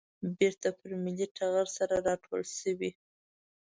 بېرته پر ملي ټغر سره راټولې شوې.